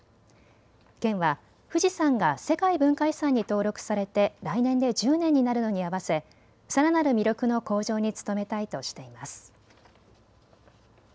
県は富士山が世界文化遺産に登録されて来年で１０年になるのに合わせさらなる魅力の向上に努めたいとしています。